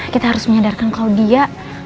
kita harus menyadarkan claudia